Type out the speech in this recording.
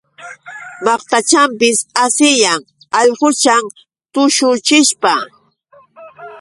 Maqtachanpis asiyan allquchan tushuchishpa.